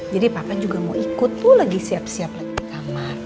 jadi papa juga mau ikut tuh lagi siap siap lagi di kamar